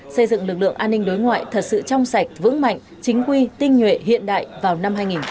xây dựng lực lượng an ninh đối ngoại thật sự trong sạch vững mạnh chính quy tinh nhuệ hiện đại vào năm hai nghìn hai mươi